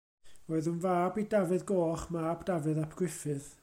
Roedd yn fab i Dafydd Goch, mab Dafydd ap Gruffudd.